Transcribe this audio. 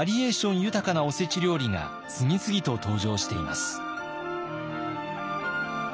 豊かなおせち料理が次々と登場しています。